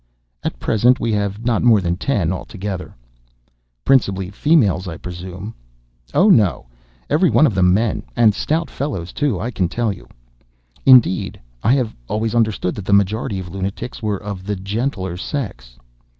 "At present we have not more than ten, altogether." "Principally females, I presume?" "Oh, no—every one of them men, and stout fellows, too, I can tell you." "Indeed! I have always understood that the majority of lunatics were of the gentler sex."